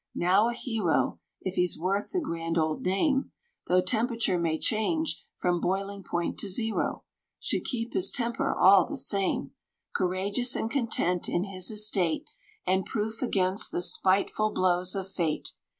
Now a hero If he's worth the grand old name Though temperature may change from boiling point to zero Should keep his temper all the same: Courageous and content in his estate, And proof against the spiteful blows of Fate.